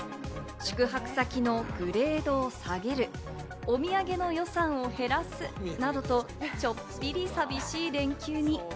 宿泊先のグレードを下げる、お土産の予算を減らすなどと、ちょっぴり寂しい連休に。